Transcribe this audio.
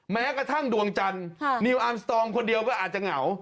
แม้กระทั่งดวงจันทร์นิวอาร์มสตองคนเดียวก็อาจจะเหงา